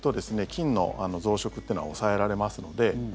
菌の増殖っていうのは抑えられますので。